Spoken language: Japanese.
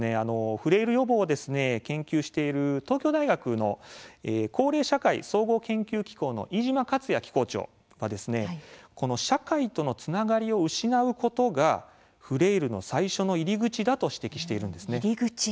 フレイル予防を研究している、東京大学の高齢社会総合研究機構の飯島勝矢機構長は社会とのつながりを失うことがフレイルの最初の入り口だと指摘しています。